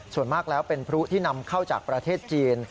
ส่วนมากแล้วเป็นพลุที่นำเข้าจากประเทศจีน